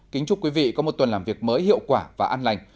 kính chúc quý vị có một tuần làm việc mới hiệu quả và an lành